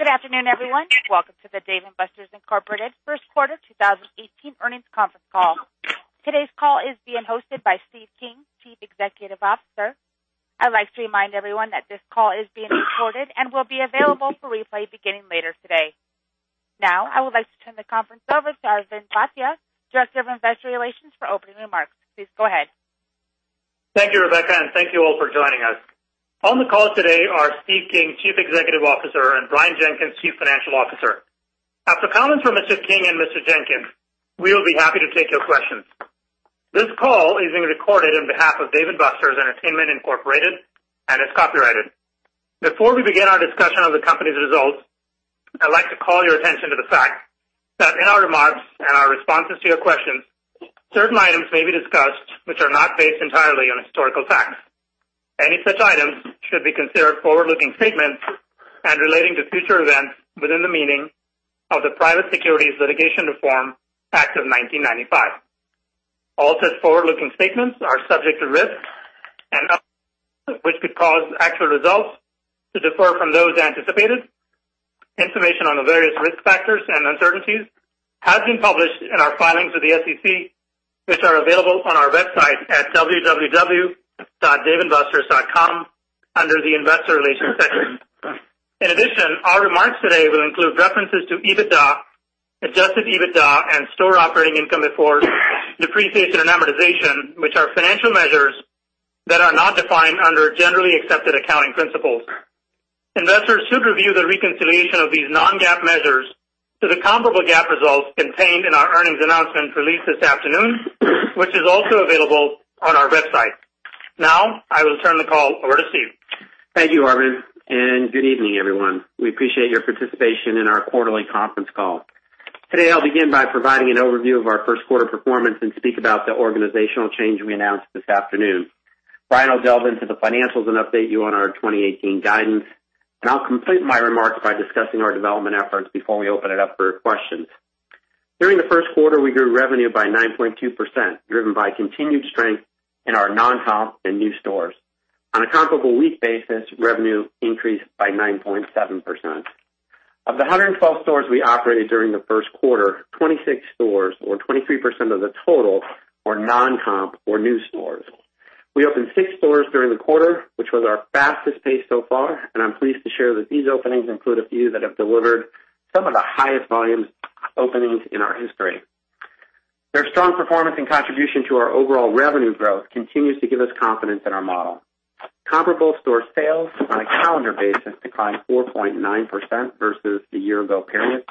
Good afternoon, everyone. Welcome to the Dave & Buster's Entertainment, Inc. First Quarter 2018 earnings conference call. Today's call is being hosted by Stephen King, Chief Executive Officer. I'd like to remind everyone that this call is being recorded and will be available for replay beginning later today. Now, I would like to turn the conference over to Arvind Bhatia, Director of Investor Relations, for opening remarks. Please go ahead. Thank you, Rebecca. Thank you all for joining us. On the call today are Stephen King, Chief Executive Officer, and Brian Jenkins, Chief Financial Officer. After comments from Mr. King and Mr. Jenkins, we will be happy to take your questions. This call is being recorded on behalf of Dave & Buster's Entertainment, Inc. and is copyrighted. Before we begin our discussion of the company's results, I'd like to call your attention to the fact that in our remarks and our responses to your questions, certain items may be discussed which are not based entirely on historical facts. Any such items should be considered forward-looking statements and relating to future events within the meaning of the Private Securities Litigation Reform Act of 1995. All such forward-looking statements are subject to risks and uncertainties which could cause actual results to differ from those anticipated. Information on the various risk factors and uncertainties has been published in our filings with the SEC, which are available on our website at www.daveandbusters.com under the Investor Relations section. In addition, our remarks today will include references to EBITDA, adjusted EBITDA, and store operating income before depreciation and amortization, which are financial measures that are not defined under generally accepted accounting principles. Investors should review the reconciliation of these non-GAAP measures to the comparable GAAP results contained in our earnings announcement released this afternoon, which is also available on our website. Now, I will turn the call over to Stephen. Thank you, Arvind. Good evening, everyone. We appreciate your participation in our quarterly conference call. Today, I'll begin by providing an overview of our first quarter performance and speak about the organizational change we announced this afternoon. Brian will delve into the financials and update you on our 2018 guidance. I'll complete my remarks by discussing our development efforts before we open it up for questions. During the first quarter, we grew revenue by 9.2%, driven by continued strength in our non-comp and new stores. On a comparable week basis, revenue increased by 9.7%. Of the 112 stores we operated during the first quarter, 26 stores or 23% of the total were non-comp or new stores. We opened six stores during the quarter, which was our fastest pace so far, and I am pleased to share that these openings include a few that have delivered some of the highest volume openings in our history. Their strong performance and contribution to our overall revenue growth continues to give us confidence in our model. Comparable store sales on a calendar basis declined 4.9% versus the year-ago period,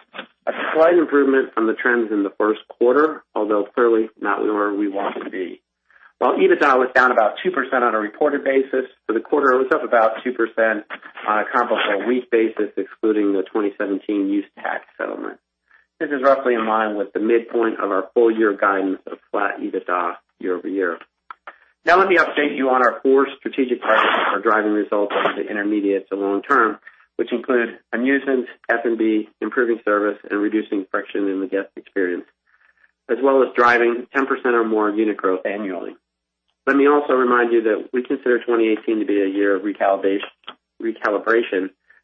a slight improvement from the trends in the first quarter, although clearly not where we want to be. While EBITDA was down about 2% on a reported basis for the quarter, it was up about 2% on a comparable week basis, excluding the 2017 use tax settlement. This is roughly in line with the midpoint of our full-year guidance of flat EBITDA year-over-year. Let me update you on our four strategic priorities that are driving results over the intermediate to long term, which include amusements, F&B, improving service, and reducing friction in the guest experience, as well as driving 10% or more unit growth annually. Let me also remind you that we consider 2018 to be a year of recalibration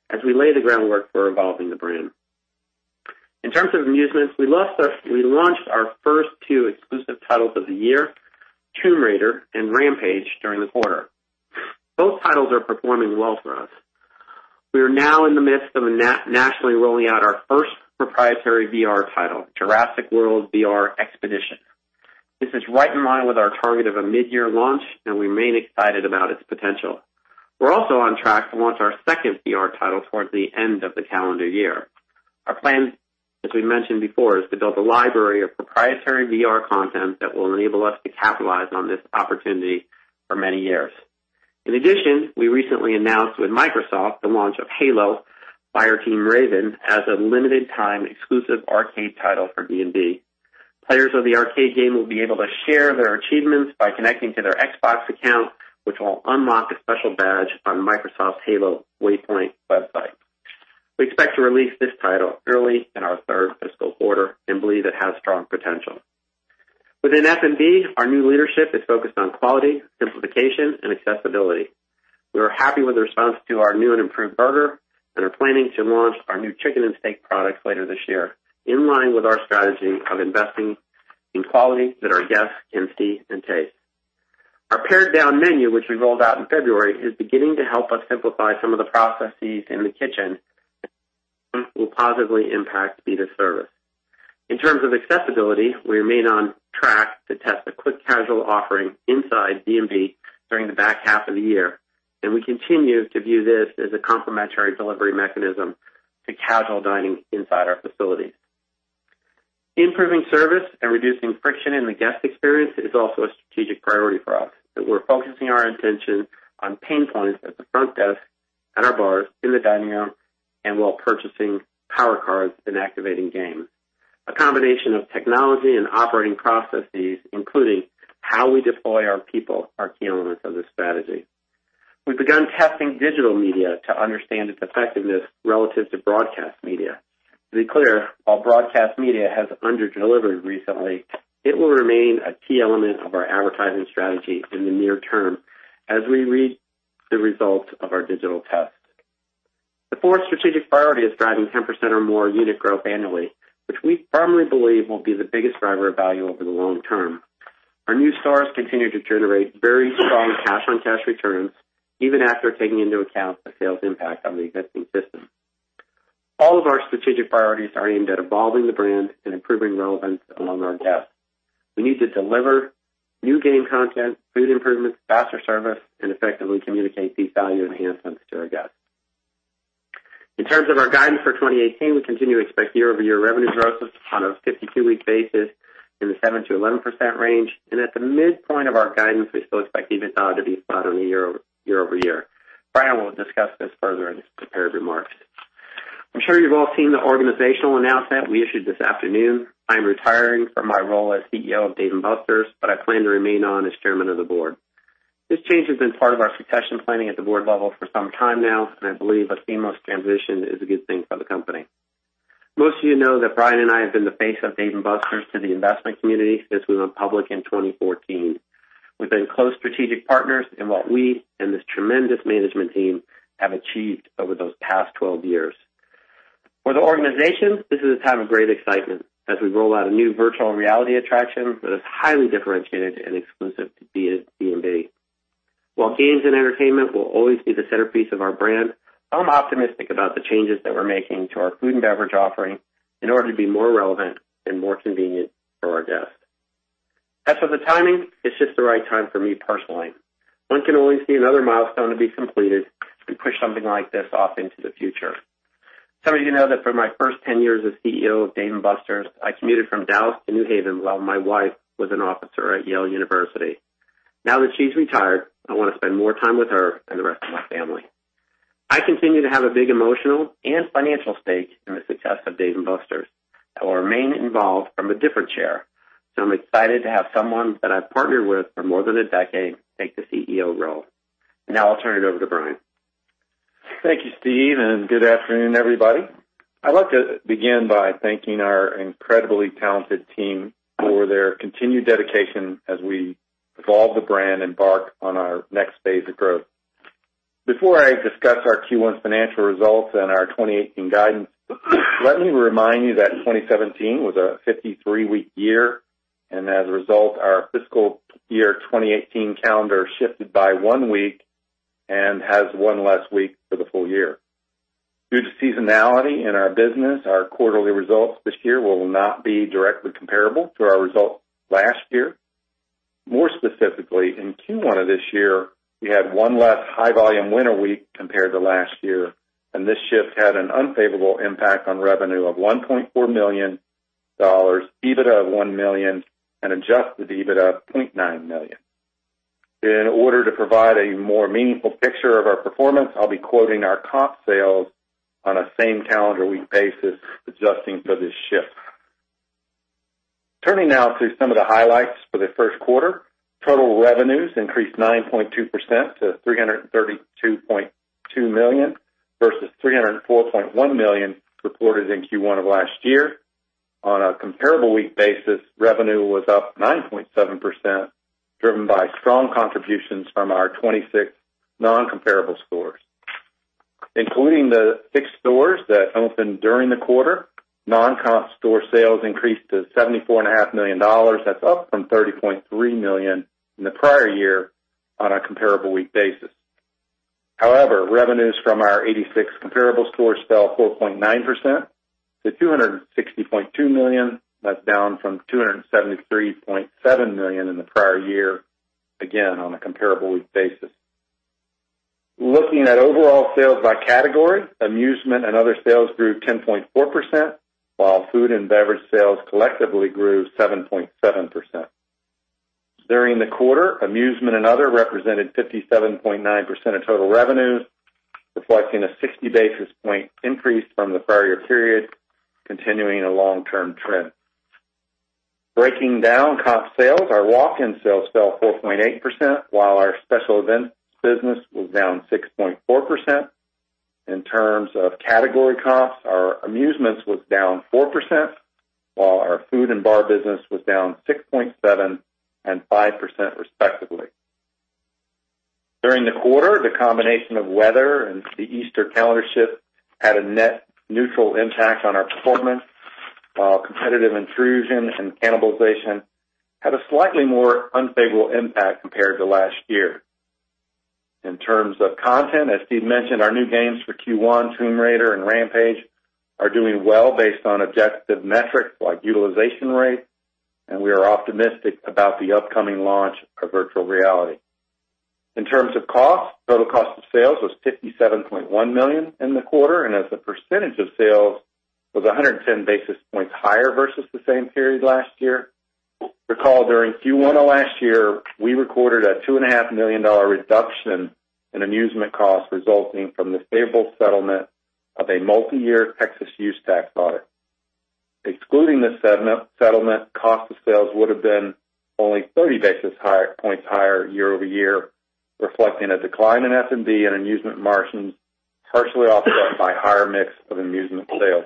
as we lay the groundwork for evolving the brand. In terms of amusements, we launched our first two exclusive titles of the year, Tomb Raider and Rampage, during the quarter. Both titles are performing well for us. We are now in the midst of nationally rolling out our first proprietary VR title, Jurassic World VR Expedition. This is right in line with our target of a mid-year launch, and we remain excited about its potential. We are also on track to launch our second VR title towards the end of the calendar year. Our plan, as we mentioned before, is to build a library of proprietary VR content that will enable us to capitalize on this opportunity for many years. In addition, we recently announced with Microsoft the launch of Halo: Fireteam Raven as a limited time exclusive arcade title for D&B. Players of the arcade game will be able to share their achievements by connecting to their Xbox account, which will unlock a special badge on Microsoft's Halo Waypoint website. We expect to release this title early in our third fiscal quarter and believe it has strong potential. Within F&B, our new leadership is focused on quality, simplification, and accessibility. We are happy with the response to our new and improved burger and are planning to launch our new chicken and steak products later this year, in line with our strategy of investing in quality that our guests can see and taste. Our pared-down menu, which we rolled out in February, is beginning to help us simplify some of the processes in the kitchen and will positively impact speed of service. In terms of accessibility, we remain on track to test a quick casual offering inside D&B during the back half of the year, and we continue to view this as a complementary delivery mechanism to casual dining inside our facilities. Improving service and reducing friction in the guest experience is also a strategic priority for us, and we're focusing our attention on pain points at the front desk, at our bars, in the dining room, and while purchasing Power Cards and activating games. A combination of technology and operating processes, including how we deploy our people, are key elements of this strategy. We've begun testing digital media to understand its effectiveness relative to broadcast media. To be clear, while broadcast media has under-delivered recently, it will remain a key element of our advertising strategy in the near term as we read the results of our digital tests. The fourth strategic priority is driving 10% or more unit growth annually, which we firmly believe will be the biggest driver of value over the long term. Our new stores continue to generate very strong cash-on-cash returns, even after taking into account the sales impact on the existing system. All of our strategic priorities are aimed at evolving the brand and improving relevance among our guests. We need to deliver new game content, food improvements, faster service, and effectively communicate these value enhancements to our guests. In terms of our guidance for 2018, we continue to expect year-over-year revenue growth on a 52-week basis in the 7%-11% range. At the midpoint of our guidance, we still expect EBITDA to be flat on a year-over-year. Brian will discuss this further in his prepared remarks. I'm sure you've all seen the organizational announcement we issued this afternoon. I am retiring from my role as CEO of Dave & Buster's, but I plan to remain on as chairman of the board. This change has been part of our succession planning at the board level for some time now, and I believe a seamless transition is a good thing for the company. Most of you know that Brian and I have been the face of Dave & Buster's to the investment community since we went public in 2014. We've been close strategic partners in what we and this tremendous management team have achieved over those past 12 years. For the organization, this is a time of great excitement as we roll out a new virtual reality attraction that is highly differentiated and exclusive to D&B. While games and entertainment will always be the centerpiece of our brand, I'm optimistic about the changes that we're making to our food and beverage offering in order to be more relevant and more convenient for our guests. As for the timing, it's just the right time for me personally. One can only see another milestone to be completed and push something like this off into the future. Some of you know that for my first 10 years as CEO of Dave & Buster's, I commuted from Dallas to New Haven while my wife was an officer at Yale University. Now that she's retired, I want to spend more time with her and the rest of my family. I continue to have a big emotional and financial stake in the success of Dave & Buster's. I will remain involved from a different chair, so I'm excited to have someone that I've partnered with for more than a decade take the CEO role. Now I'll turn it over to Brian. Thank you, Steve, and good afternoon, everybody. I'd like to begin by thanking our incredibly talented team for their continued dedication as we evolve the brand and embark on our next phase of growth. Before I discuss our Q1 financial results and our 2018 guidance, let me remind you that 2017 was a 53-week year, and as a result, our fiscal year 2018 calendar shifted by one week and has one less week for the full year. Due to seasonality in our business, our quarterly results this year will not be directly comparable to our results last year. More specifically, in Q1 of this year, we had one less high-volume winter week compared to last year, and this shift had an unfavorable impact on revenue of $1.4 million, EBITDA of $1 million, and adjusted EBITDA of $0.9 million. In order to provide a more meaningful picture of our performance, I'll be quoting our comp sales on a same calendar week basis, adjusting for this shift. Turning now to some of the highlights for the first quarter. Total revenues increased 9.2% to $332.2 million, versus $304.1 million reported in Q1 of last year. On a comparable week basis, revenue was up 9.7%, driven by strong contributions from our 26 non-comparable stores. Including the six stores that opened during the quarter, non-comp store sales increased to $74.5 million. That's up from $30.3 million in the prior year on a comparable week basis. However, revenues from our 86 comparable stores fell 4.9% to $260.2 million. That's down from $273.7 million in the prior year, again, on a comparable week basis. Looking at overall sales by category, amusement and other sales grew 10.4%, while food and beverage sales collectively grew 7.7%. During the quarter, amusement and other represented 57.9% of total revenues, reflecting a 60-basis point increase from the prior year period, continuing a long-term trend. Breaking down comp sales, our walk-in sales fell 4.8%, while our special events business was down 6.4%. In terms of category comps, our amusements was down 4%, while our food and bar business was down 6.7% and 5% respectively. During the quarter, the combination of weather and the Easter calendar shift had a net neutral impact on our performance, while competitive intrusion and cannibalization had a slightly more unfavorable impact compared to last year. In terms of content, as Steve mentioned, our new games for Q1, Tomb Raider and Rampage, are doing well based on objective metrics like utilization rate, and we are optimistic about the upcoming launch of virtual reality. In terms of cost, total cost of sales was $57.1 million in the quarter, and as a percentage of sales was 110 basis points higher versus the same period last year. Recall during Q1 of last year, we recorded a $2.5 million reduction in amusement cost resulting from the favorable settlement of a multi-year Texas use tax audit. Excluding this settlement, cost of sales would have been only 30 basis points higher year-over-year, reflecting a decline in F&B and amusement margins, partially offset by higher mix of amusement sales.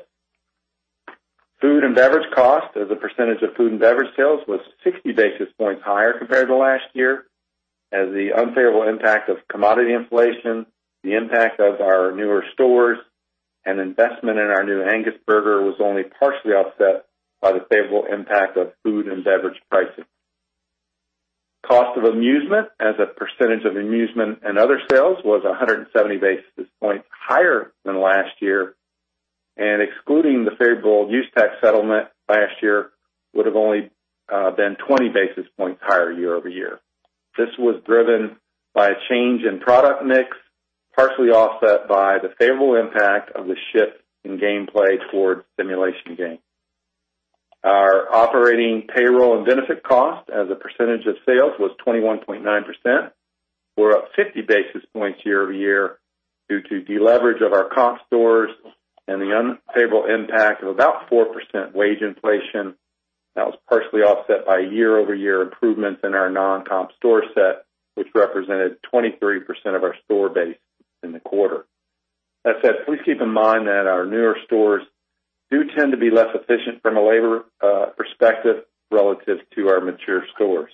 Food and beverage cost as a percentage of food and beverage sales was 60 basis points higher compared to last year, as the unfavorable impact of commodity inflation, the impact of our newer stores, and investment in our new Angus burger was only partially offset by the favorable impact of food and beverage pricing. Cost of amusement as a percentage of amusement and other sales was 170 basis points higher than last year, and excluding the favorable use tax settlement last year, would have only been 20 basis points higher year-over-year. This was driven by a change in product mix, partially offset by the favorable impact of the shift in gameplay toward simulation games. Our operating payroll and benefit cost as a percentage of sales was 21.9%, or up 50 basis points year-over-year due to deleverage of our comp stores and the unfavorable impact of about 4% wage inflation that was partially offset by year-over-year improvements in our non-comp store set, which represented 23% of our store base in the quarter. That said, please keep in mind that our newer stores do tend to be less efficient from a labor perspective relative to our mature stores.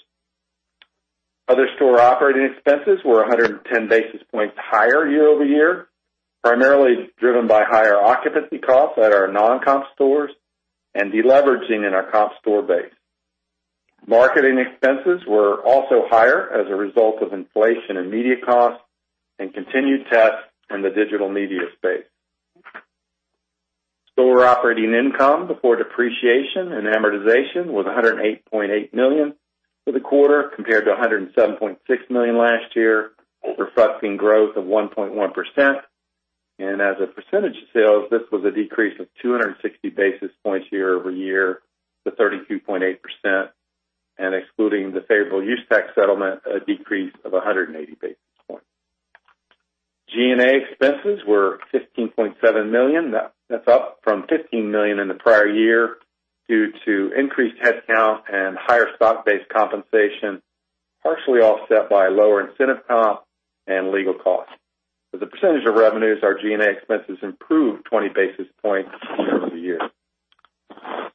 Other store operating expenses were 110 basis points higher year-over-year, primarily driven by higher occupancy costs at our non-comp stores and deleveraging in our comp store base. Marketing expenses were also higher as a result of inflation in media costs and continued tests in the digital media space. Store operating income before depreciation and amortization was $108.8 million for the quarter compared to $107.6 million last year, reflecting growth of 1.1%. As a percentage of sales, this was a decrease of 260 basis points year-over-year to 32.8%, and excluding the favorable use tax settlement, a decrease of 180 basis points. G&A expenses were $15.7 million. That's up from $15 million in the prior year due to increased headcount and higher stock-based compensation, partially offset by lower incentive comp and legal costs. As a percentage of revenues, our G&A expenses improved 20 basis points year-over-year.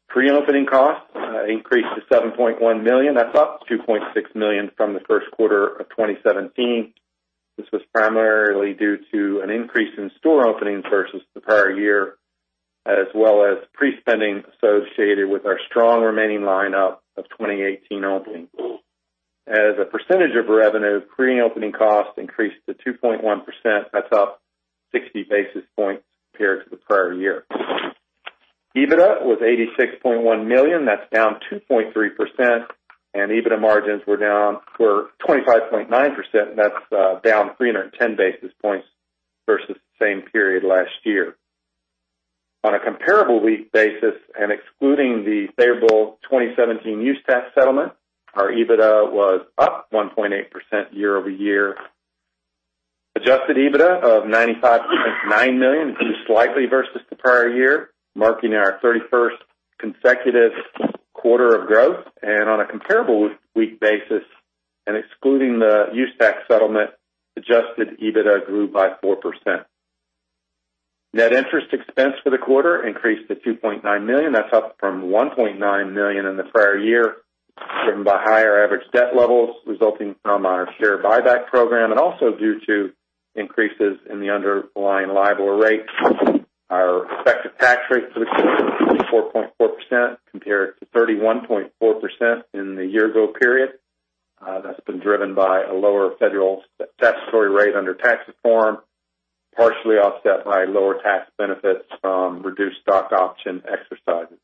Pre-opening costs increased to $7.1 million. That's up $2.6 million from the first quarter of 2017. This was primarily due to an increase in store openings versus the prior year, as well as pre-spending associated with our strong remaining lineup of 2018 openings. As a percentage of revenue, pre-opening costs increased to 2.1%. That's up 60 basis points compared to the prior year. EBITDA was $86.1 million. That's down 2.3%, and EBITDA margins were 25.9%, and that's down 310 basis points versus the same period last year. On a comparable week basis and excluding the favorable 2017 use tax settlement, our EBITDA was up 1.8% year-over-year. Adjusted EBITDA of $95.9 million grew slightly versus the prior year, marking our 31st consecutive quarter of growth. On a comparable week basis and excluding the use tax settlement, adjusted EBITDA grew by 4%. Net interest expense for the quarter increased to $2.9 million. That's up from $1.9 million in the prior year, driven by higher average debt levels resulting from our share buyback program and also due to increases in the underlying LIBOR rates. Our effective tax rate for the quarter was 24.4% compared to 31.4% in the year-ago period. That's been driven by a lower federal statutory rate under tax reform, partially offset by lower tax benefits from reduced stock option exercises.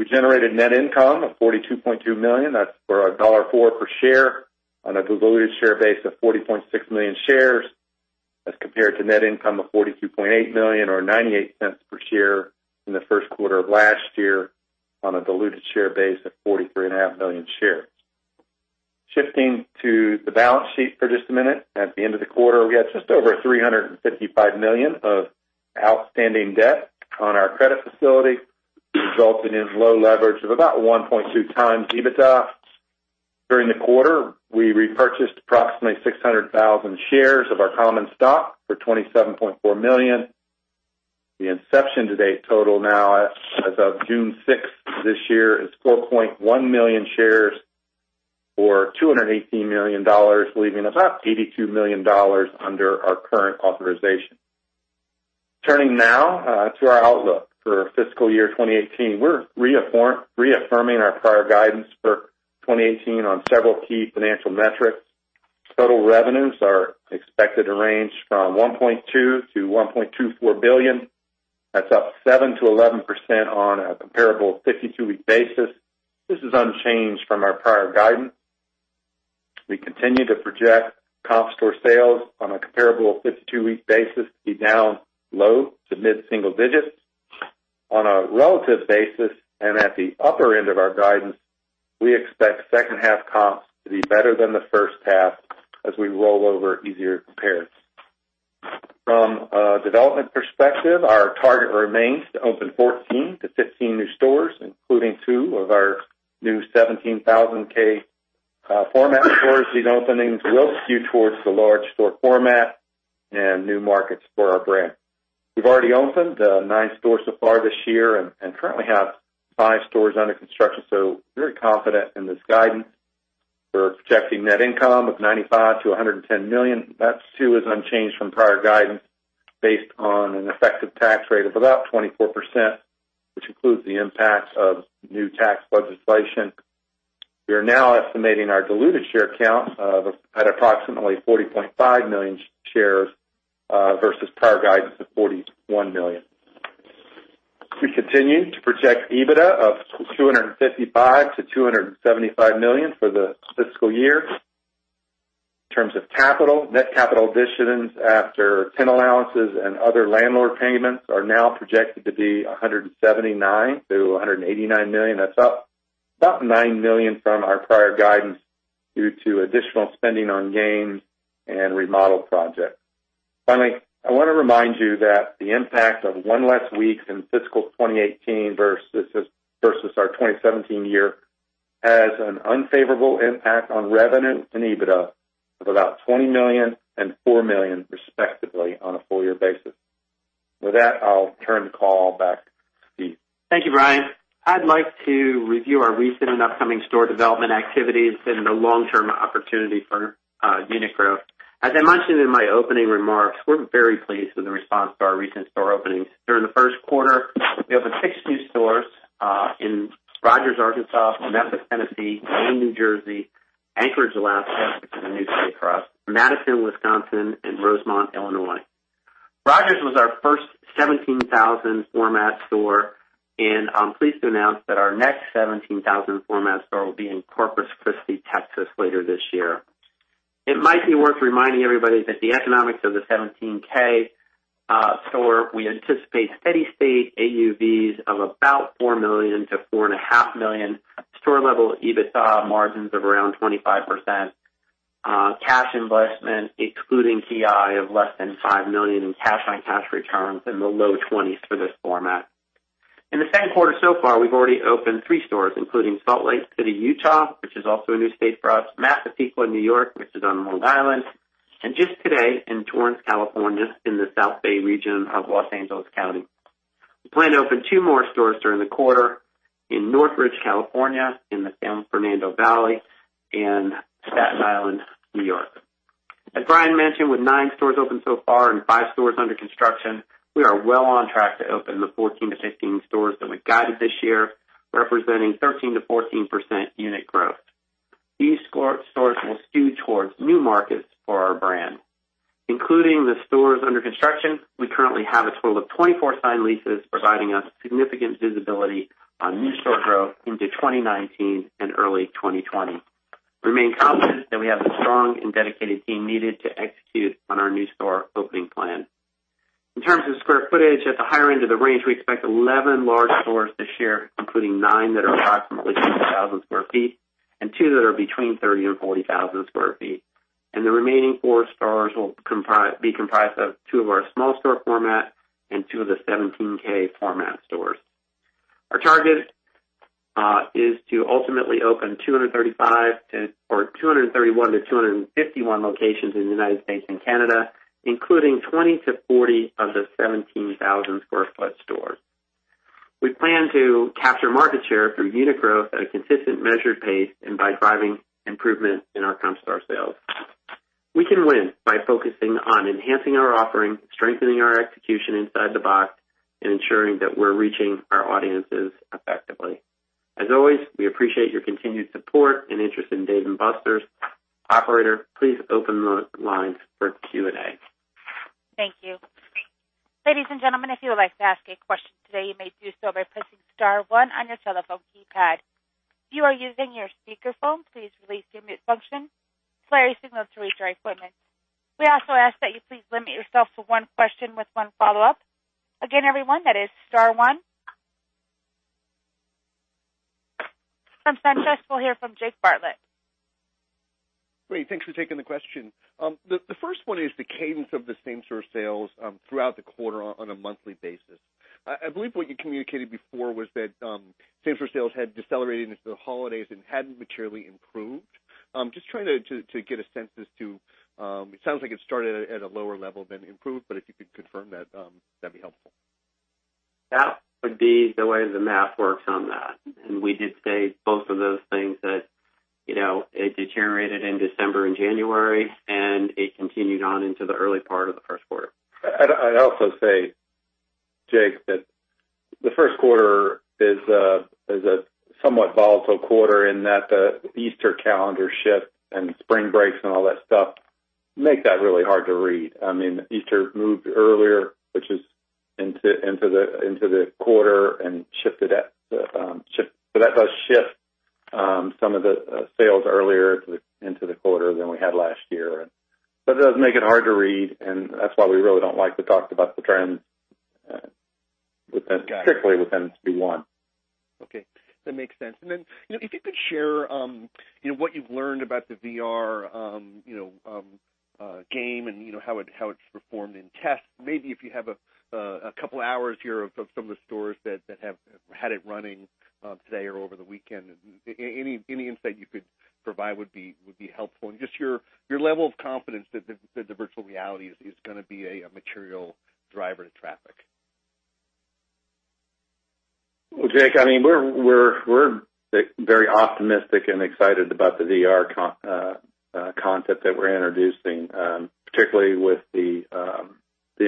We generated net income of $42.2 million. That's for $1.04 per share on a diluted share base of 40.6 million shares as compared to net income of $42.8 million or $0.98 per share in the first quarter of last year on a diluted share base of 43.5 million shares. Shifting to the balance sheet for just a minute. At the end of the quarter, we had just over $355 million of outstanding debt on our credit facility, resulting in low leverage of about 1.2 times EBITDA. During the quarter, we repurchased approximately 600,000 shares of our common stock for $27.4 million. The inception to date total now as of June 6th this year is 4.1 million shares or $218 million, leaving about $82 million under our current authorization. Turning now to our outlook for fiscal year 2018. We're reaffirming our prior guidance for 2018 on several key financial metrics. Total revenues are expected to range from $1.2 billion to $1.24 billion. That's up 7%-11% on a comparable 52-week basis. This is unchanged from our prior guidance. We continue to project comp store sales on a comparable 52-week basis to be down low to mid-single digits. On a relative basis and at the upper end of our guidance, we expect second half comps to be better than the first half as we roll over easier comparisons. From a development perspective, our target remains to open 14 to 15 new stores, including two of our new 17K format stores. These openings will skew towards the large store format and new markets for our brand. We've already opened nine stores so far this year and currently have five stores under construction, so very confident in this guidance. We're projecting net income of $95 million to $110 million. That, too, is unchanged from prior guidance based on an effective tax rate of about 24%, which includes the impact of new tax legislation. We are now estimating our diluted share count at approximately 40.5 million shares versus prior guidance of 41 million. We continue to project EBITDA of $255 million to $275 million for the fiscal year. In terms of capital, net capital additions after TI allowances and other landlord payments are now projected to be $179 million to $189 million. That's up about $9 million from our prior guidance due to additional spending on gains and remodel projects. Finally, I want to remind you that the impact of one less week in fiscal 2018 versus our 2017 year has an unfavorable impact on revenue and EBITDA of about $20 million and $4 million, respectively, on a full year basis. With that, I'll turn the call back to Steve. Thank you, Brian. I'd like to review our recent and upcoming store development activities and the long-term opportunity for unit growth. As I mentioned in my opening remarks, we're very pleased with the response to our recent store openings. During the first quarter, we opened six new stores, in Rogers, Arkansas; Memphis, Tennessee; Wayne, New Jersey; Anchorage, Alaska, which is a new state for us; Madison, Wisconsin; and Rosemont, Illinois. Rogers was our first 17K format store, and I'm pleased to announce that our next 17K format store will be in Corpus Christi, Texas, later this year. It might be worth reminding everybody that the economics of the 17K store, we anticipate steady state AUVs of about $4 million to $4.5 million, store-level EBITDA margins of around 25%, cash investment, excluding TI of less than $5 million, and cash on cash returns in the low 20s for this format. In the same quarter so far, we've already opened three stores, including Salt Lake City, Utah, which is also a new state for us, Massapequa, New York, which is on Long Island, and just today in Torrance, California, in the South Bay region of Los Angeles County. We plan to open two more stores during the quarter in Northridge, California, in the San Fernando Valley, and Staten Island, New York. As Brian mentioned, with nine stores open so far and five stores under construction, we are well on track to open the 14-15 stores that we guided this year, representing 13%-14% unit growth. These stores will skew towards new markets for our brand. Including the stores under construction, we currently have a total of 24 signed leases, providing us significant visibility on new store growth into 2019 and early 2020. We remain confident that we have the strong and dedicated team needed to execute on our new store opening plan. In terms of square footage, at the higher end of the range, we expect 11 large stores this year, including nine that are approximately 10,000 sq ft and two that are between 30,000 and 40,000 sq ft. The remaining four stores will be comprised of two of our small store format and two of the 17K format stores. Our target is to ultimately open 231-251 locations in the United States and Canada, including 20-40 of the 17,000 sq ft stores. We plan to capture market share through unit growth at a consistent measured pace and by driving improvement in our comp store sales. We can win by focusing on enhancing our offering, strengthening our execution inside the box, and ensuring that we're reaching our audiences effectively. As always, we appreciate your continued support and interest in Dave & Buster's. Operator, please open the lines for Q&A. Thank you. Ladies and gentlemen, if you would like to ask a question today, you may do so by pressing star one on your telephone keypad. If you are using your speakerphone, please release your mute function so everyone else can reach their equipment. We also ask that you please limit yourself to one question with one follow-up. Again, everyone, that is star one. From San Francisco, we'll hear from Jake Bartlett. Thanks for taking the question. The first one is the cadence of the same store sales throughout the quarter on a monthly basis. I believe what you communicated before was that same store sales had decelerated into the holidays and hadn't materially improved. Trying to get a sense as to, it sounds like it started at a lower level, then improved, but if you could confirm that'd be helpful. That would be the way the math works on that. We did say both of those things that it deteriorated in December and January, and it continued on into the early part of the first quarter. I'd also say, Jake, that the first quarter is a somewhat volatile quarter in that the Easter calendar shift and spring breaks and all that stuff make that really hard to read. Easter moved earlier, which is into the quarter, that does shift some of the sales earlier into the quarter than we had last year. That does make it hard to read, and that's why we really don't like to talk about the trends With that strictly within Q1. Okay. That makes sense. If you could share what you've learned about the VR game and how it's performed in tests. Maybe if you have a couple of hours here of some of the stores that have had it running today or over the weekend. Any insight you could provide would be helpful, your level of confidence that the virtual reality is going to be a material driver to traffic. Jake, we're very optimistic and excited about the VR concept that we're introducing, particularly with the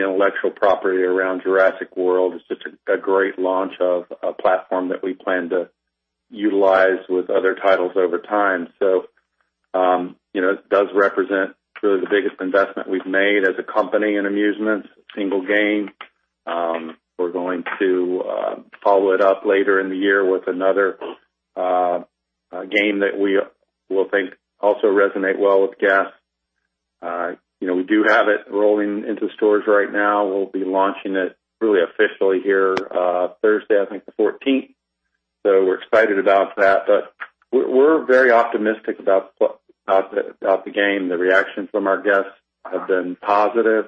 intellectual property around Jurassic World. It's such a great launch of a platform that we plan to utilize with other titles over time. It does represent really the biggest investment we've made as a company in amusements, single game. We're going to follow it up later in the year with another game that we think will also resonate well with guests. We do have it rolling into stores right now. We'll be launching it really officially here, Thursday, I think the 14th. We're excited about that. We're very optimistic about the game. The reaction from our guests has been positive.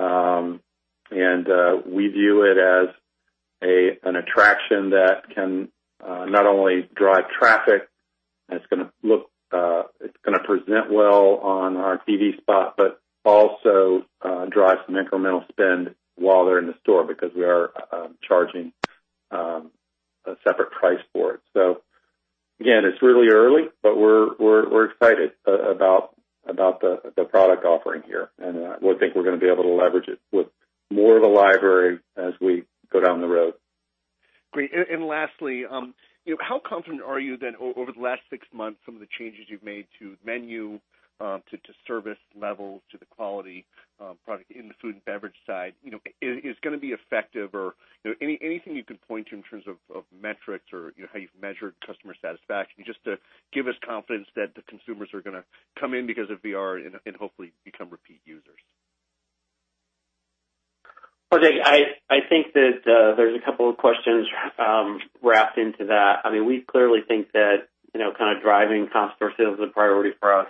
We view it as an attraction that can not only drive traffic, it's going to present well on our TV spot, but also drive some incremental spend while they're in the store because we are charging a separate price for it. Again, it's really early, we're excited about the product offering here, we think we're going to be able to leverage it with more of the library as we go down the road. Great. Lastly, how confident are you then over the last six months, some of the changes you've made to menu, to service levels, to the quality product in the food and beverage side, is going to be effective or anything you can point to in terms of metrics or how you've measured customer satisfaction, just to give us confidence that the consumers are going to come in because of VR and hopefully become repeat users. Jake, I think that there's a couple of questions wrapped into that. We clearly think that kind of driving customer sales is a priority for us,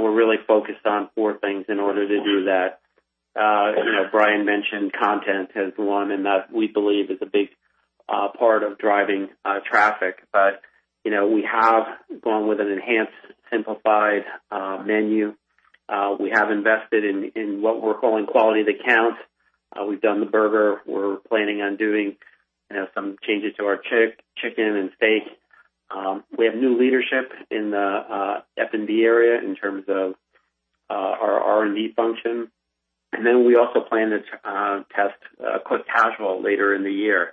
we're really focused on four things in order to do that. Brian mentioned content as one, that we believe is a big part of driving traffic. We have gone with an enhanced, simplified menu. We have invested in what we're calling quality that counts. We've done the burger. We're planning on doing some changes to our chicken and steak. We have new leadership in the F&B area in terms of our R&D function. We also plan to test quick casual later in the year.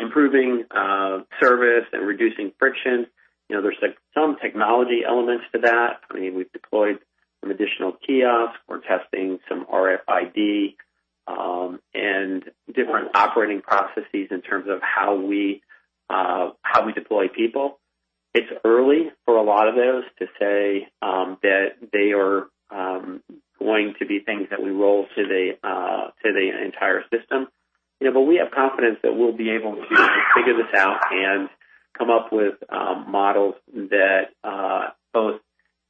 Improving service and reducing friction. There's some technology elements to that. We've deployed some additional kiosks. We're testing some RFID and different operating processes in terms of how we deploy people. It's early for a lot of those to say that they are going to be things that we roll to the entire system. We have confidence that we'll be able to figure this out and come up with models that both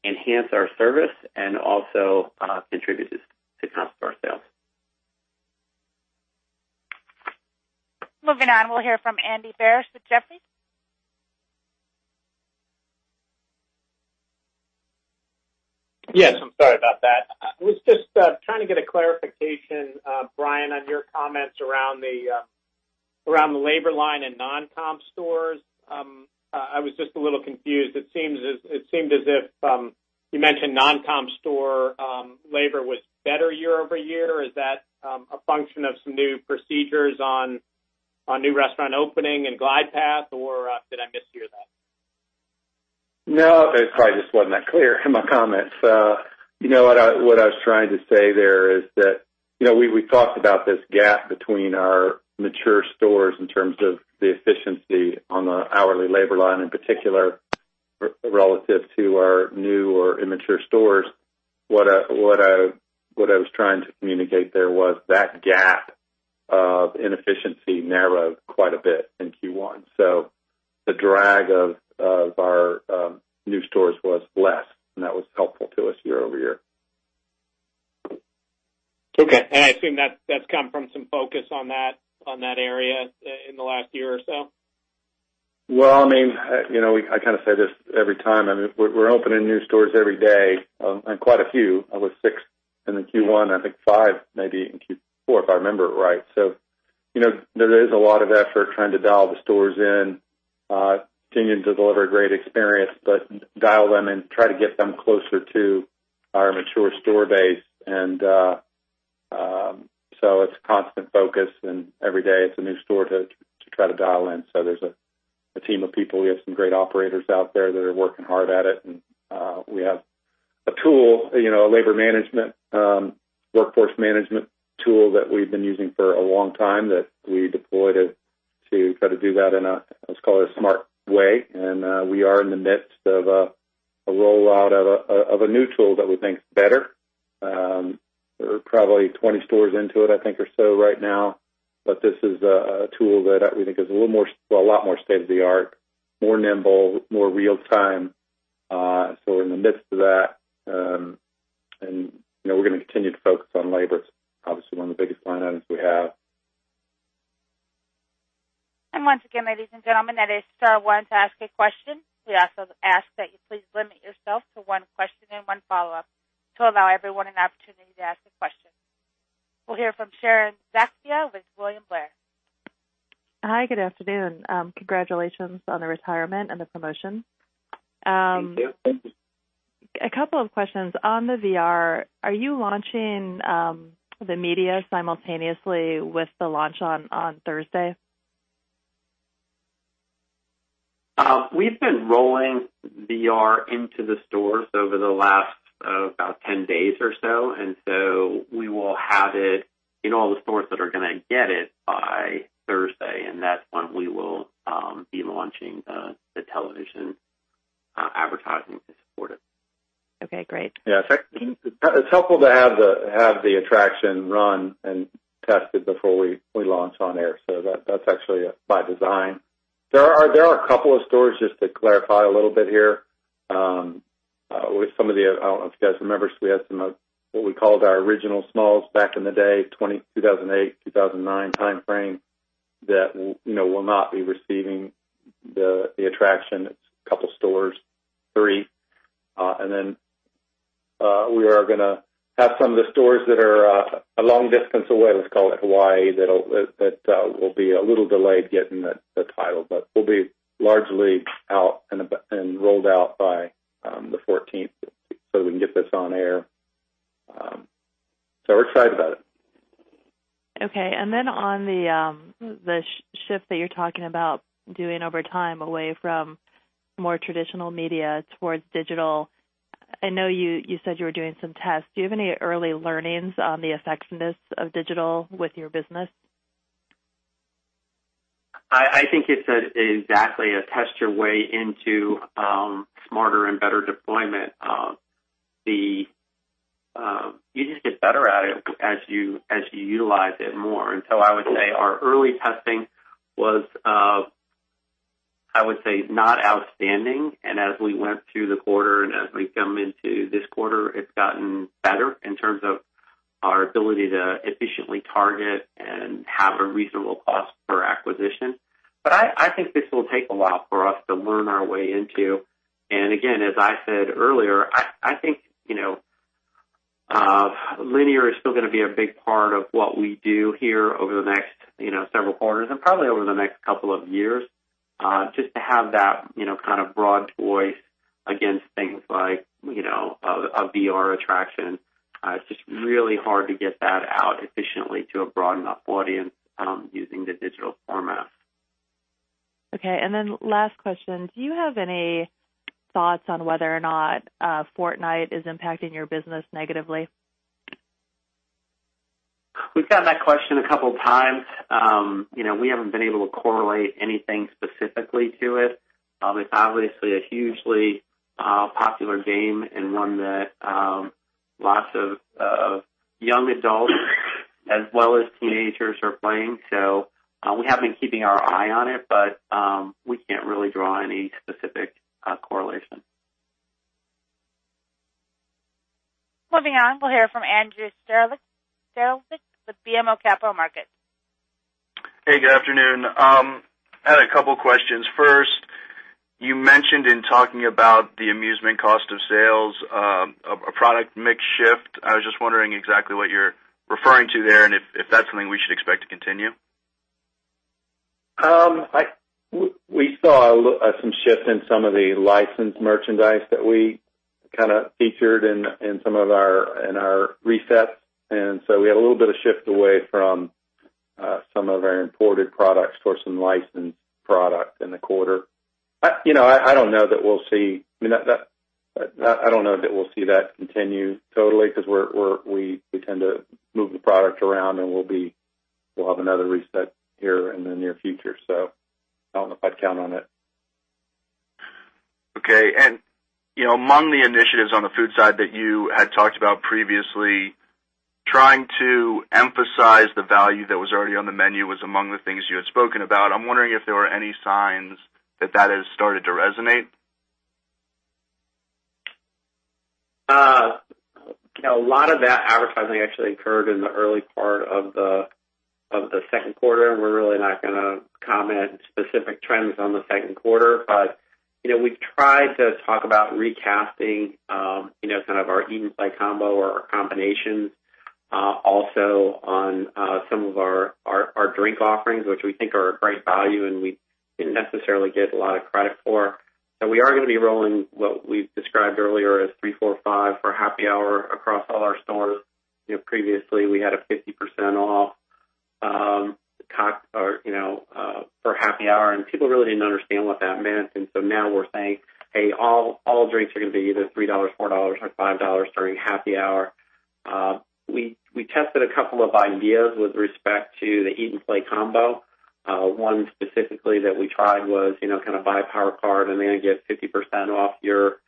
enhance our service and also contribute to customer sales. Moving on, we'll hear from Andy Barish with Jefferies. Yes, I'm sorry about that. I was just trying to get a clarification, Brian, on your comments around the labor line in non-comp stores. I was just a little confused. It seemed as if you mentioned non-comp store labor was better year-over-year. Is that a function of some new procedures on new restaurant opening and glide path, or did I mishear that? No, I probably just was not clear in my comments. What I was trying to say there is that we talked about this gap between our mature stores in terms of the efficiency on the hourly labor line, in particular, relative to our new or immature stores. What I was trying to communicate there was that gap of inefficiency narrowed quite a bit in Q1. The drag of our new stores was less, and that was helpful to us year-over-year. Okay. I assume that's come from some focus on that area in the last year or so? Well, I kind of say this every time. We're opening new stores every day and quite a few. It was six in the Q1, I think five, maybe in Q4, if I remember it right. There is a lot of effort trying to dial the stores in, continuing to deliver a great experience, but dial them and try to get them closer to our mature store base. It's a constant focus, and every day it's a new store to try to dial in. There's a team of people. We have some great operators out there that are working hard at it, and we have a tool, a labor management, workforce management tool that we've been using for a long time that we deployed at To try to do that in a, let's call it, a smart way. We are in the midst of a rollout of a new tool that we think is better. We're probably 20 stores into it, I think, or so right now, but this is a tool that we think is a lot more state-of-the-art, more nimble, more real time. We're in the midst of that. We're going to continue to focus on labor. It's obviously one of the biggest line items we have. Once again, ladies and gentlemen, that is star one to ask a question. We also ask that you please limit yourself to one question and one follow-up to allow everyone an opportunity to ask a question. We'll hear from Sharon Zackfia with William Blair. Hi, good afternoon. Congratulations on the retirement and the promotion. Thank you. A couple of questions. On the VR, are you launching the media simultaneously with the launch on Thursday? We've been rolling VR into the stores over the last about 10 days or so. We will have it in all the stores that are going to get it by Thursday, and that's when we will be launching the television advertising to support it. Okay, great. Yeah. It's helpful to have the attraction run and tested before we launch on air. That's actually by design. There are a couple of stores, just to clarify a little bit here. With some of the, I don't know if you guys remember, we had some of what we called our original smalls back in the day, 2008, 2009 timeframe, that will not be receiving the attraction. It's a couple stores, three. We are going to have some of the stores that are a long distance away. Let's call it Hawaii. That will be a little delayed getting the title, but we'll be largely out and rolled out by the 14th so we can get this on air. We're excited about it. Okay. On the shift that you're talking about doing over time away from more traditional media towards digital, I know you said you were doing some tests. Do you have any early learnings on the effectiveness of digital with your business? I think it's exactly a test your way into smarter and better deployment. You just get better at it as you utilize it more. I would say our early testing was, I would say, not outstanding. As we went through the quarter and as we come into this quarter, it's gotten better in terms of our ability to efficiently target and have a reasonable cost per acquisition. I think this will take a while for us to learn our way into. Again, as I said earlier, I think linear is still going to be a big part of what we do here over the next several quarters and probably over the next couple of years. Just to have that kind of broad voice against things like a VR attraction. It's just really hard to get that out efficiently to a broad enough audience using the digital format. Okay, last question. Do you have any thoughts on whether or not Fortnite is impacting your business negatively? We've gotten that question a couple times. We haven't been able to correlate anything specifically to it. It's obviously a hugely popular game and one that lots of young adults as well as teenagers are playing. We have been keeping our eye on it, but we can't really draw any specific correlation. Moving on, we'll hear from Andrew Strelzik with BMO Capital Markets. Hey, good afternoon. I had a couple questions. First, you mentioned in talking about the amusement cost of sales, a product mix shift. I was just wondering exactly what you're referring to there and if that's something we should expect to continue. We saw some shifts in some of the licensed merchandise that we kind of featured in our resets. We had a little bit of shift away from some of our imported products towards some licensed product in the quarter. I don't know that we'll see that continue totally because we tend to move the product around, and we'll have another reset here in the near future. I don't know if I'd count on it. Okay. Among the initiatives on the food side that you had talked about previously, trying to emphasize the value that was already on the menu was among the things you had spoken about. I'm wondering if there were any signs that that has started to resonate. A lot of that advertising actually occurred in the early part of the second quarter, and we're really not going to comment specific trends on the second quarter. We've tried to talk about recasting kind of our Eat & Play Combo or our combinations. Also on some of our drink offerings, which we think are a great value, and we didn't necessarily get a lot of credit for. We are going to be rolling what we've described earlier as three, four, five for happy hour across all our stores. Previously, we had a 50% off for happy hour, and people really didn't understand what that meant. Now we're saying, "Hey, all drinks are going to be either $3, $4, or $5 during happy hour." We tested a couple of ideas with respect to the Eat & Play Combo. One specifically that we tried was, kind of buy a Power Card and then get 50% off your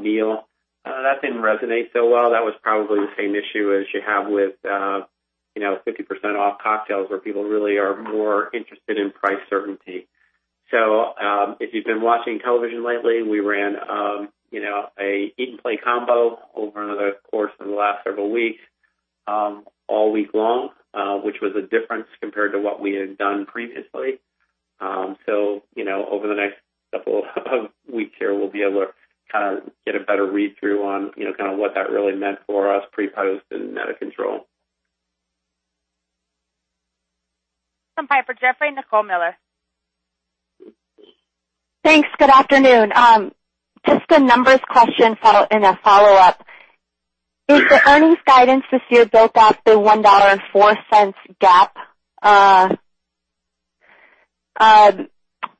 meal. That didn't resonate so well. That was probably the same issue as you have with 50% off cocktails, where people really are more interested in price certainty. If you've been watching television lately, we ran an Eat & Play Combo over another course in the last several weeks, all week long, which was a difference compared to what we had done previously. Over the next couple of weeks here, we'll be able to kind of get a better read through on what that really meant for us pre/post and net of control. From Piper Jaffray, Nicole Miller. Thanks. Good afternoon. Just a numbers question and a follow-up. Is the earnings guidance this year built off the $1.04 GAAP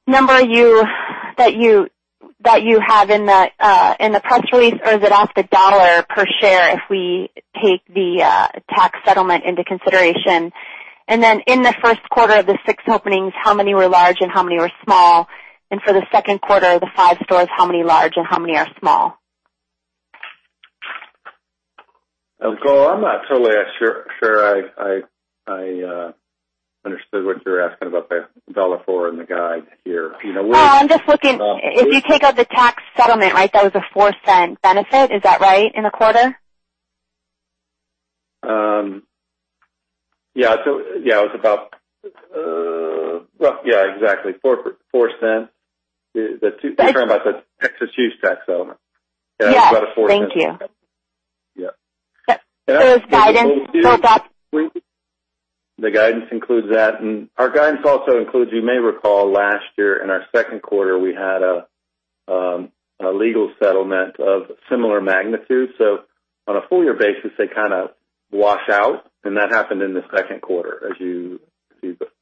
number that you have in the press release, or is it off the $ per share if we take the tax settlement into consideration? In the first quarter of the six openings, how many were large and how many were small? For the second quarter, the five stores, how many large and how many are small? Nicole, I'm not totally sure I understood what you're asking about the $1.04 in the guide here. Oh, I'm just looking, if you take out the tax settlement, that was a $0.04 benefit. Is that right, in the quarter? Yeah. It was about Well, yeah, exactly $0.04. Thanks. You're talking about the Texas use tax settlement. Yes. It was about a $0.04 benefit. Thank you. Yeah. Yep. Is guidance built up? The guidance includes that. Our guidance also includes, you may recall, last year in our second quarter, we had a legal settlement of similar magnitude. On a full year basis, they kind of wash out. That happened in the second quarter as you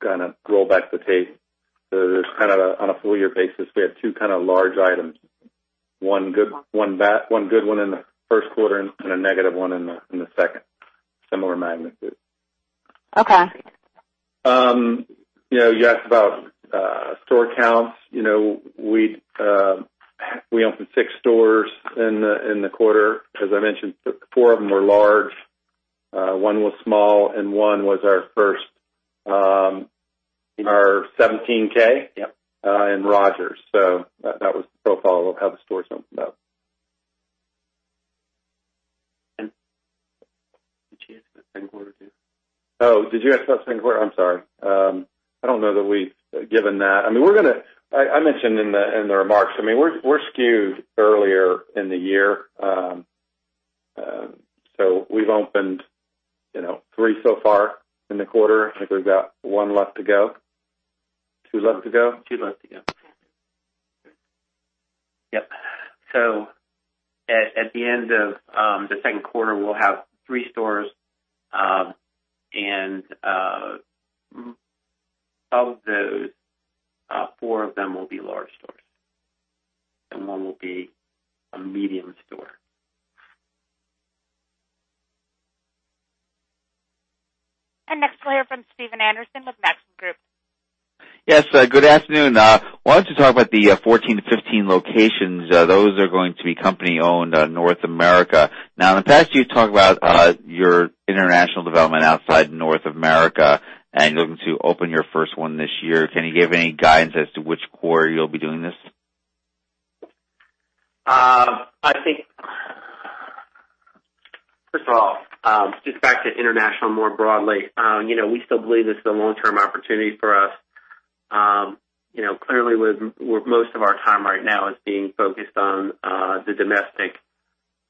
kind of roll back the tape. Just kind of on a full year basis, we have two kind of large items, one good one in the first quarter and a negative one in the second, similar magnitude. Okay. You asked about store counts. We opened six stores in the quarter, as I mentioned. Four of them were large. One was small. One was our first, our 17K. Yep. In Rogers. That was the profile of how the stores opened up. Did she ask about second quarter too? Did you ask about second quarter? I'm sorry. I don't know that we've given that. I mentioned in the remarks, we're skewed earlier in the year. We've opened three so far in the quarter. I think we've got one left to go. Two left to go? Two left to go. Yep. At the end of the second quarter, we'll have three stores. Of those, four of them will be large stores. One will be a medium store. Next we'll hear from Stephen Anderson with Maxim Group. Yes. Good afternoon. I wanted to talk about the 14-15 locations. Those are going to be company-owned, North America. In the past, you talked about your international development outside North America, and you're looking to open your first one this year. Can you give any guidance as to which quarter you'll be doing this? I think, first of all, just back to international more broadly. We still believe this is a long-term opportunity for us. Clearly, where most of our time right now is being focused on the domestic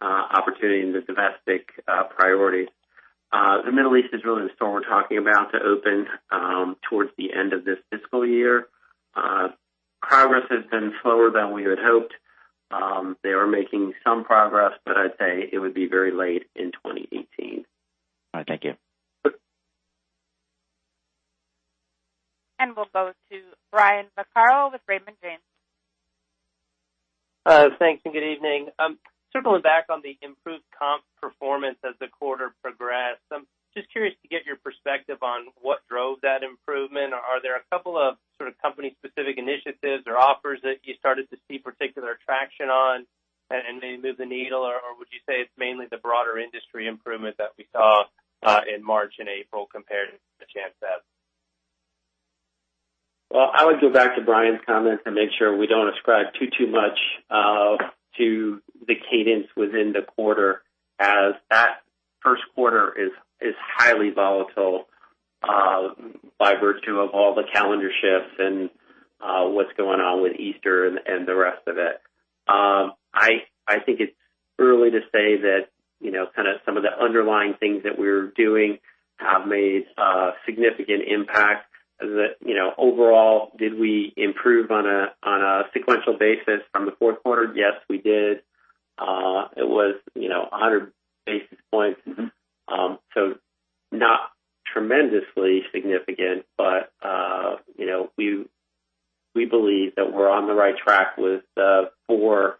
opportunity and the domestic priorities. The Middle East is really the store we're talking about to open towards the end of this fiscal year. Progress has been slower than we had hoped. They are making some progress, but I'd say it would be very late in 2018. All right. Thank you. We'll go to Brian Vaccaro with Raymond James. Thanks, and good evening. Circling back on the improved comp performance as the quarter progressed, I'm just curious to get your perspective on what drove that improvement. Are there a couple of sort of company-specific initiatives or offers that you started to see particular traction on and they moved the needle, or would you say it's mainly the broader industry improvement that we saw in March and April compared to the chance then? Well, I would go back to Brian's comment and make sure we don't ascribe too much to the cadence within the quarter, as that first quarter is highly volatile, by virtue of all the calendar shifts and what's going on with Easter and the rest of it. I think it's early to say that kind of some of the underlying things that we're doing have made a significant impact. Overall, did we improve on a sequential basis from the fourth quarter? Yes, we did. It was 100 basis points. Not tremendously significant, but we believe that we're on the right track with the four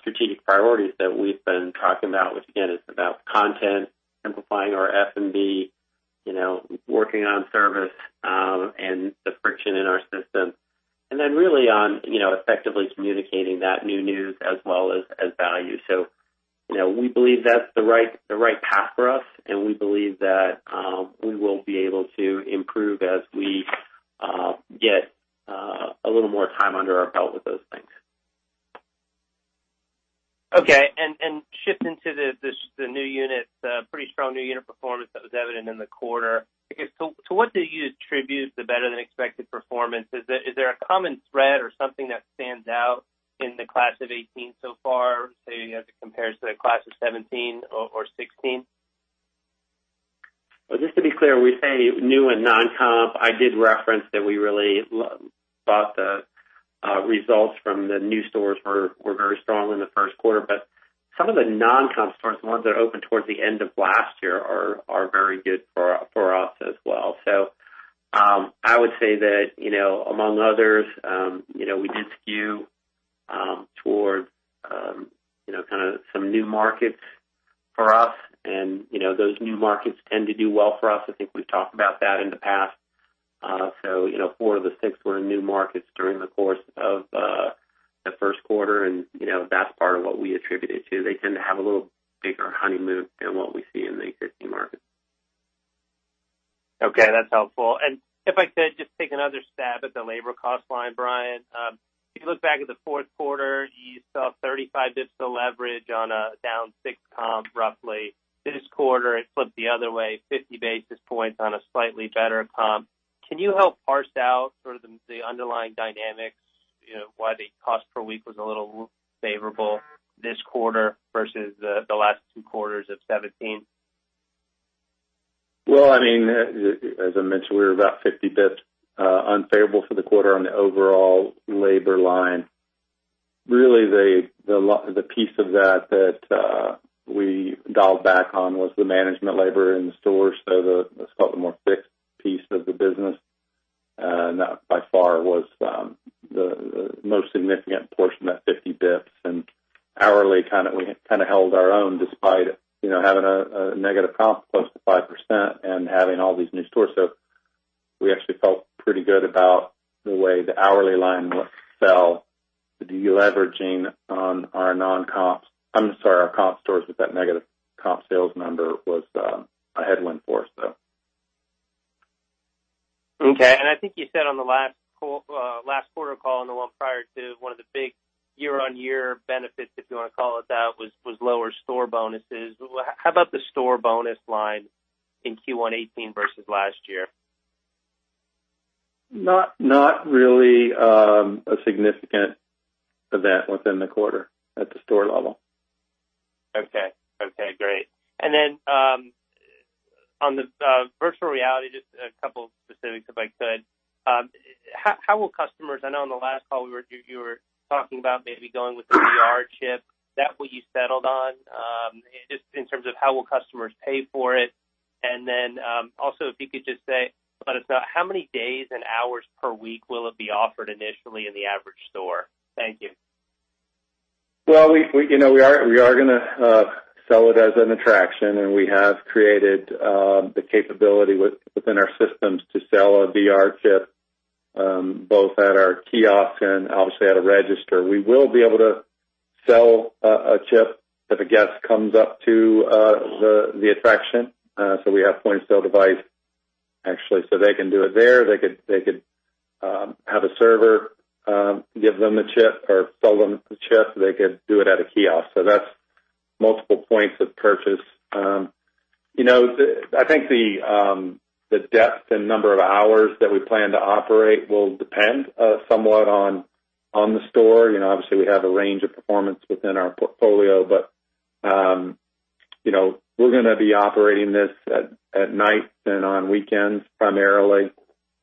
strategic priorities that we've been talking about, which again, is about content, simplifying our F&B, working on service, and the friction in our system. Then really on effectively communicating that new news as well as value. We believe that's the right path for us, and we believe that we will be able to improve as we get a little more time under our belt with those things. Okay. Shifting to the new units, pretty strong new unit performance that was evident in the quarter. I guess, to what do you attribute the better than expected performance? Is there a common thread or something that stands out in the class of 2018 so far, say, as it compares to the class of 2017 or 2016? Well, just to be clear, we say new and non-comp. I did reference that we really thought the results from the new stores were very strong in the first quarter. Some of the non-comp stores, the ones that opened towards the end of last year, are very good for us as well. I would say that, among others, we did skew towards kind of some new markets for us. Those new markets tend to do well for us. I think we've talked about that in the past. Four of the six were in new markets during the course of the first quarter, and that's part of what we attribute it to. They tend to have a little bigger honeymoon than what we see in the existing markets. Okay. That's helpful. If I could just take another stab at the labor cost line, Brian. If you look back at the fourth quarter, you saw 35 basis points of leverage on a down six comp, roughly. This quarter, it flipped the other way, 50 basis points on a slightly better comp. Can you help parse out sort of the underlying dynamics, why the cost per week was a little favorable this quarter versus the last two quarters of 2017? Well, as I mentioned, we were about 50 basis points unfavorable for the quarter on the overall labor line. Really, the piece of that that we dialed back on was the management labor in the stores. The, let's call it, more fixed piece of the business. That by far was the most significant portion of that 50 basis points. Hourly, we kind of held our own despite having a negative comp close to 5% and having all these new stores. We actually felt pretty good about the way the hourly line looked. The deleveraging on our comp stores with that negative comp sales number was a headwind for us, though. Okay. I think you said on the last quarter call and the one prior to, one of the big year-on-year benefits, if you want to call it that, was lower store bonuses. How about the store bonus line in Q1 2018 versus last year? Not really a significance of that within the quarter at the store level. Okay. Great. On the virtual reality, just a couple of specifics, if I could. How will customers pay? I know on the last call, you were talking about maybe going with the VR chip. Is that what you settled on? Just in terms of how will customers pay for it. Also, if you could just say, about how many days and hours per week will it be offered initially in the average store? Thank you. We are going to sell it as an attraction, and we have created the capability within our systems to sell a VR chip both at our kiosk and obviously at a register. We will be able to sell a chip if a guest comes up to the attraction. We have point-of-sale device, actually, so they can do it there. They could have a server give them the chip or sell them the chip. They could do it at a kiosk. That's multiple points of purchase. I think the depth and number of hours that we plan to operate will depend somewhat on the store. Obviously, we have a range of performance within our portfolio. We're going to be operating this at night and on weekends primarily.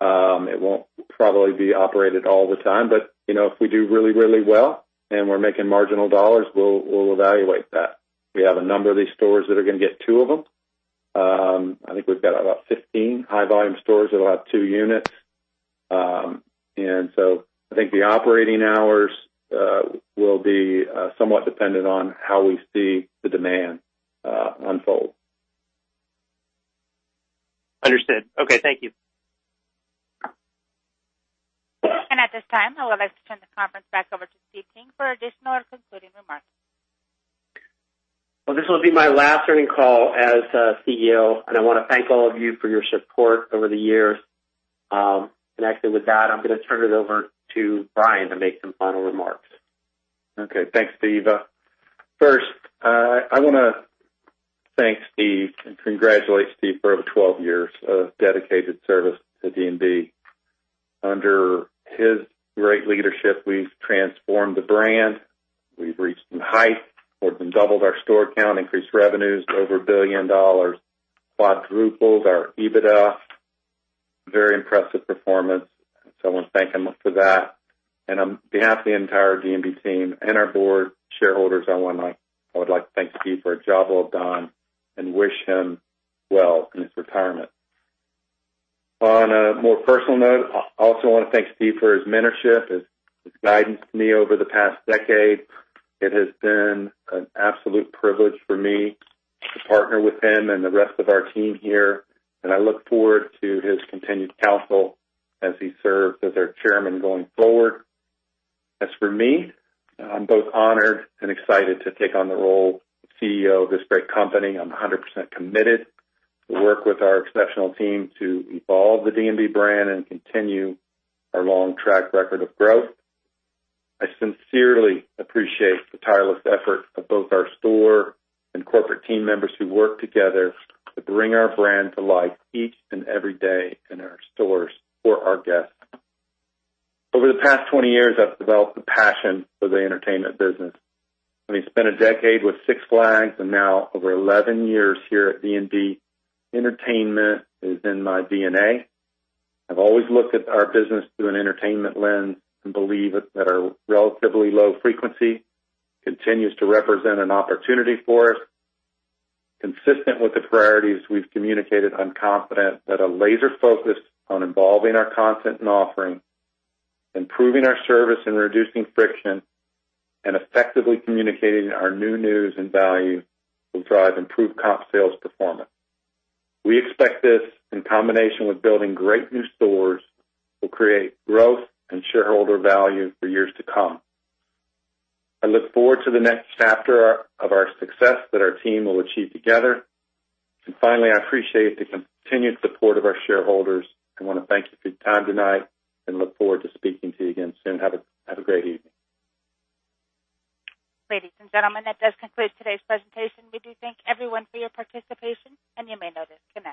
It won't probably be operated all the time. If we do really well and we're making marginal dollars, we'll evaluate that. We have a number of these stores that are going to get two of them. I think we've got about 15 high-volume stores that will have two units. I think the operating hours will be somewhat dependent on how we see the demand unfold. Understood. Okay. Thank you. At this time, I would like to turn the conference back over to Steve King for additional or concluding remarks. Well, this will be my last earnings call as CEO, I want to thank all of you for your support over the years. Actually, with that, I'm going to turn it over to Brian to make some final remarks. Okay. Thanks, Steve. First, I want to thank Steve and congratulate Steve for over 12 years of dedicated service to D&B. Under his great leadership, we've transformed the brand. We've reached some heights. More than doubled our store count, increased revenues to over $1 billion. Quadrupled our EBITDA. Very impressive performance. I want to thank him for that. On behalf of the entire D&B team and our board shareholders, I would like to thank Steve for a job well done and wish him well in his retirement. On a more personal note, I also want to thank Steve for his mentorship, his guidance to me over the past decade. It has been an absolute privilege for me to partner with him and the rest of our team here, and I look forward to his continued counsel as he serves as our chairman going forward. As for me, I'm both honored and excited to take on the role of CEO of this great company. I'm 100% committed to work with our exceptional team to evolve the D&B brand and continue our long track record of growth. I sincerely appreciate the tireless efforts of both our store and corporate team members who work together to bring our brand to life each and every day in our stores for our guests. Over the past 20 years, I've developed a passion for the entertainment business. Having spent a decade with Six Flags and now over 11 years here at D&B, entertainment is in my DNA. I've always looked at our business through an entertainment lens and believe that our relatively low frequency continues to represent an opportunity for us. Consistent with the priorities we've communicated, I'm confident that a laser focus on evolving our content and offering, improving our service, and reducing friction, and effectively communicating our new news and value will drive improved comp sales performance. We expect this, in combination with building great new stores, will create growth and shareholder value for years to come. I look forward to the next chapter of our success that our team will achieve together. Finally, I appreciate the continued support of our shareholders. I want to thank you for your time tonight and look forward to speaking to you again soon. Have a great evening. Ladies and gentlemen, that does conclude today's presentation. We do thank everyone for your participation, and you may now disconnect.